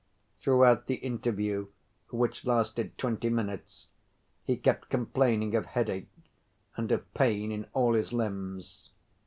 Throughout the interview, which lasted twenty minutes, he kept complaining of headache and of pain in all his limbs.